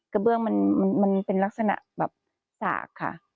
เบื้องมันเป็นลักษณะแบบสากค่ะ